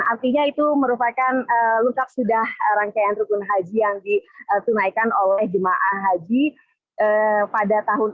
artinya itu merupakan lukak sudah rangkaian rukun haji yang ditunaikan oleh jemaah haji pada tahun